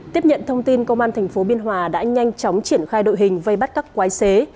tiếp nhận thông tin công an tp biên hòa đã nhanh chóng triển khai đội hình vây bắt các quái xế